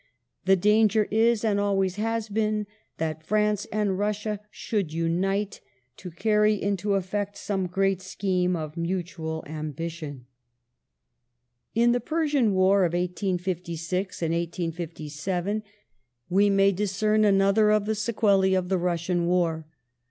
The danger is, and always has been, that France and Russia should unite to carry into effect some great scheme of mutual ambition. '*^ The Per In the Persian War of 1856 1857 we may discern another of the sequeloa of the Russian War.